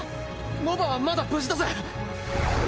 ノヴァはまだ無事だぜ。